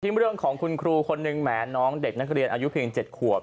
เรื่องของคุณครูคนหนึ่งแหมน้องเด็กนักเรียนอายุเพียง๗ขวบ